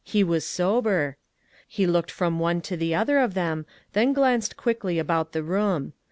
He was sober. He looked from one to the other of them, then glanced quickly about the room.